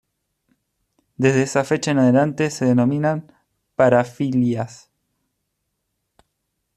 Desde esa fecha en adelante se denominan "parafilias".